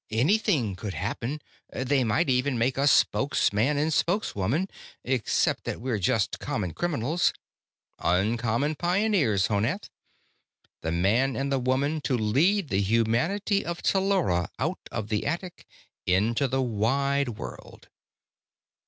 "Anything could happen. They might even make us Spokesman and Spokeswoman except that we're just common criminals." "Uncommon pioneers, Honath. The man and the woman to lead the humanity of Tellura out of the attic, into the wide world."